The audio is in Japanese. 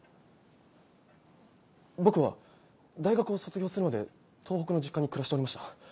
僕は大学を卒業するまで東北の実家に暮らしておりました。